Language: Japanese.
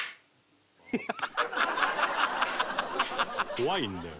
「怖いんだよ」